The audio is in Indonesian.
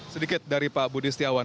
sedikit dari pak budi setiawan